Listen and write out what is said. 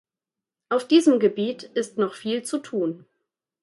Auf diesem Gebiet ist noch viel zu tun.